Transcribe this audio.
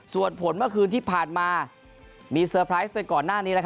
ส่วนผลเมื่อคืนที่ผ่านมามีเซอร์ไพรส์ไปก่อนหน้านี้